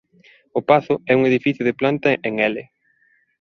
O pazo é un edificio de planta en "L".